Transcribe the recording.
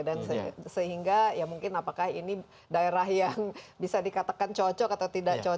dan sehingga ya mungkin apakah ini daerah yang bisa dikatakan cocok atau tidak cocok